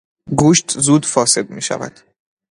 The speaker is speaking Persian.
گوشت زود فاسد میشود.